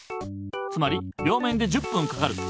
つまり両面で１０ぷんかかる。